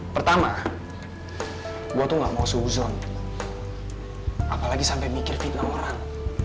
pertama gue tuh gak mau seuzon apalagi sampai mikir fitnah orang